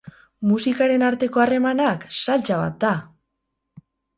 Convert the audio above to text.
Musikarien arteko harremanak, saltsa bat da!